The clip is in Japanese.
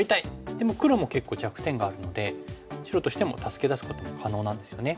でも黒も結構弱点があるので白としても助け出すことも可能なんですよね。